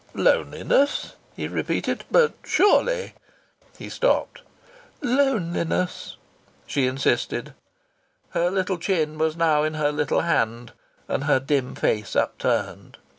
"Loneliness," he repeated. "But surely " he stopped. "Loneliness," she insisted. Her little chin was now in her little hand, and her dim face upturned.